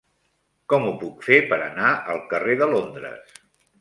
Com ho puc fer per anar al carrer de Londres?